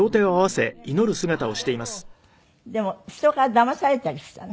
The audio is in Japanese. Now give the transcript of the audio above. でも人からだまされたりしたの？